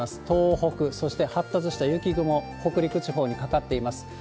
東北、そして発達した雪雲、北陸地方にかかっています。